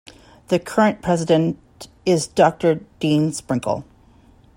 The current president is Doctor Dean Sprinkle.